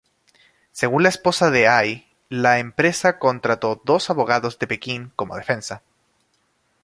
Según la esposa de Ai, la empresa contrató dos abogados de Pekín como defensa.